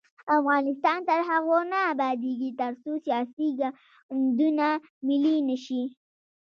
افغانستان تر هغو نه ابادیږي، ترڅو سیاسي ګوندونه ملي نشي.